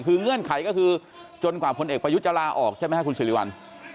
คือเงื่อนไขก็คือจนกว่าพลเอกประยุทธ์จะลาออกใช่ไหมครับคุณสิริวัล